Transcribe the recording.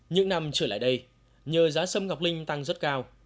những năm trở lại đây nhờ giá sâm ngọc linh tăng rất cao